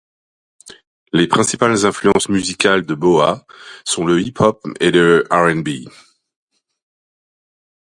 Les principales influences musicales de BoA sont le hip-hop et le R&B.